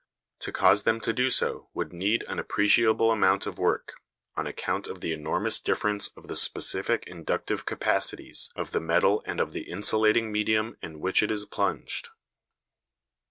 To cause them to do so would need an appreciable amount of work, on account of the enormous difference of the specific inductive capacities of the metal and of the insulating medium in which it is plunged.